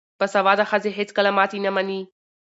باسواده ښځې هیڅکله ماتې نه مني.